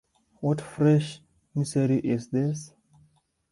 What fresh misery is this?